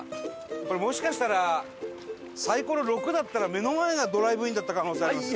これもしかしたらサイコロ６だったら目の前がドライブインだった可能性あります。